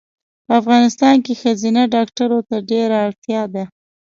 په افغانستان کې ښځېنه ډاکټرو ته ډېره اړتیا ده